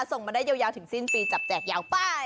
ส่งมาได้ยาวถึงสิ้นปีจับแจกยาวไป